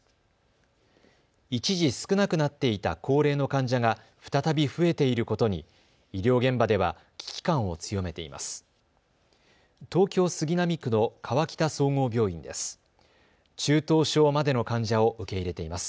一時少なくなっていた高齢の患者が再び増えていることに医療現場では危機感を強めています。